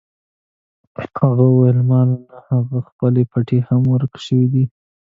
هغه وویل: له ما نه هغه خپله پټۍ هم ورکه شوې ده.